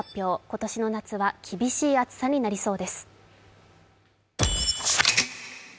今年の夏は厳しい暑さになりそうです。